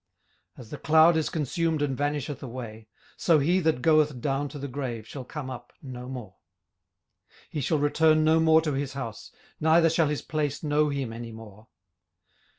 18:007:009 As the cloud is consumed and vanisheth away: so he that goeth down to the grave shall come up no more. 18:007:010 He shall return no more to his house, neither shall his place know him any more.